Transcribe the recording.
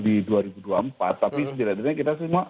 di dua ribu dua puluh empat tapi setidaknya kita semua